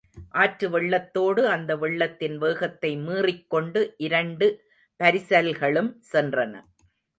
ஆற்று வெள்ளத்தோடு அந்த வெள்ளத்தின் வேகத்தை மீறிக்கொண்டு இரண்டு பரிசல்களும் சென்றன.